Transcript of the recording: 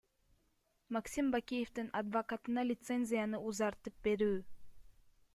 Мугалимге айтышканда, сыртка алып чыгып ыргытуусун айткан.